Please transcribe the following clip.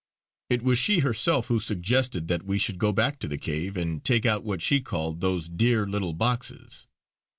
It was she herself who suggested that we should go back to the cave and take out what she called those dear little boxes.